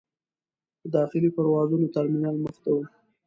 د داخلي پروازونو ترمینل مخې ته و.